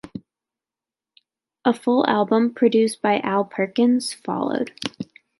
A full album, produced by Al Perkins, followed.